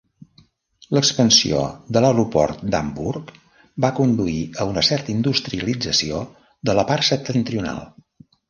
L'expansió de l'aeroport d'Hamburg va conduir a una certa industrialització de la part septentrional.